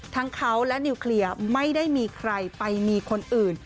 ทั้งเขาและนิวเคลียร์ไม่ได้มีใครไปมีคนอื่น